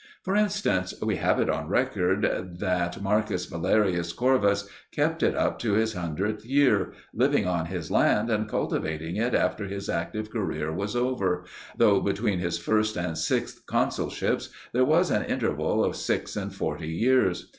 For instance, we have it on record that M. Valerius Corvus kept it up to his hundredth year, living on his land and cultivating it after his active career was over, though between his first and sixth consulships there was an interval of six and forty years.